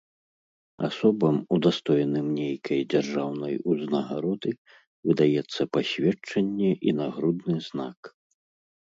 Асобам, удастоеным нейкай дзяржаўнай узнагароды, выдаецца пасведчанне і нагрудны знак.